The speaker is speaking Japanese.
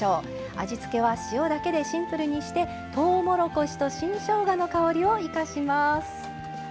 味付けは塩だけでシンプルにしてとうもろこしと新しょうがの香りを生かします。